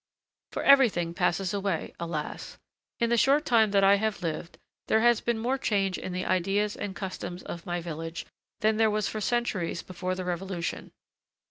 For everything passes away, alas! In the short time that I have lived, there has been more change in the ideas and customs of my village than there was for centuries before the Revolution.